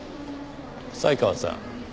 犀川さん。